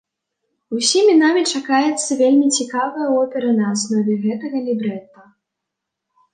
Усімі намі чакаецца вельмі цікавая опера на аснове гэтага лібрэта.